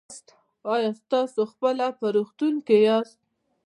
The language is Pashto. ایا تاسو کله په روغتون کې یاست؟